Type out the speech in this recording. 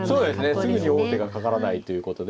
すぐに王手がかからないということで。